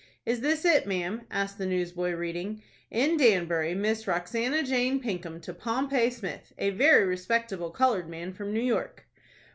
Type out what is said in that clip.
"Is this it, ma'am?" asked the newsboy, reading, "In Danbury, Miss Roxanna Jane Pinkham to Pompey Smith, a very respectable colored man from New York."